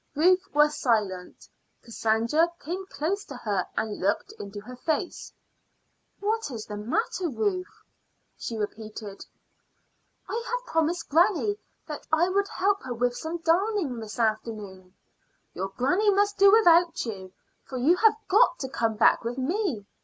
Ruth was silent. Cassandra came close to her and looked into her face. "What is the matter, Ruth?" she repeated. "I have promised granny that I would help her with some darning this afternoon." "Your granny must do without you, for you have got to come back with me."